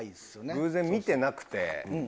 偶然見てなくて。